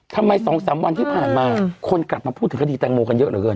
ทำไมสองสามวันที่ผ่านมาคนกลับมาพูดถึงคดีตังโมกันเยอะเหรอเพื่อน